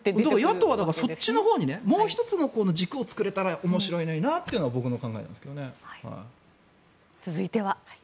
与党はそっちのほうにもう１つの軸を作れたら面白いなというのが続いては。